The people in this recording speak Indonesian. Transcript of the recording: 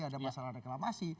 ada masalah reklamasi